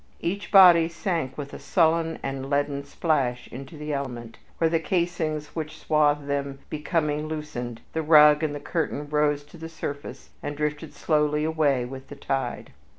Each body sank with a sullen and leaden splash into the element, where, the casings which swathed them becoming loosened, the rug and the curtain rose to the surface and drifted slowly away with the tide.